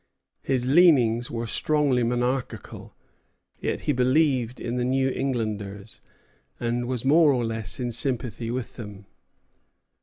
His leanings were strongly monarchical; yet he believed in the New Englanders, and was more or less in sympathy with them.